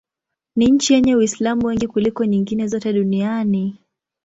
Ni nchi yenye Waislamu wengi kuliko nyingine zote duniani.